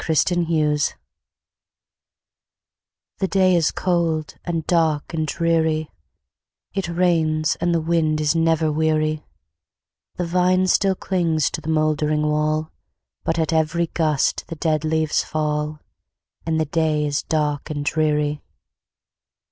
THE RAINY DAY The day is cold, and dark, and dreary It rains, and the wind is never weary; The vine still clings to the mouldering wall, But at every gust the dead leaves fall, And the day is dark and dreary.